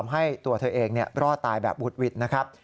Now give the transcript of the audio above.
ให้ตัวเธอเองรอดตายแบบบุดหวิดนะครับ